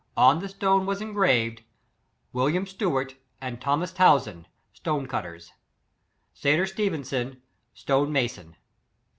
On the stone was engraved — "WILLIAM STEUART and THOMAS TOWSON, STONE CUTTERS. SATER STEVEKSON, STONE MASON.